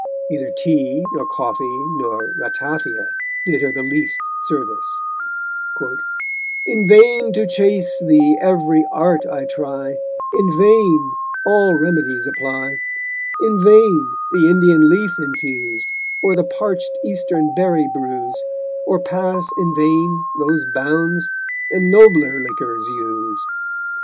Neither tea, nor coffee, nor ratafia did her the least service: _In vain to chase thee every art I try, In vain all remedies apply, In vain the Indian leaf infuse, Or the parched eastern berry bruise, Or pass, in vain, those bounds, and nobler liquors use_.